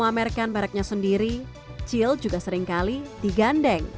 selain memamerkan mereknya sendiri cil juga seringkali digandeng